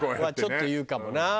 ちょっと言うかもな。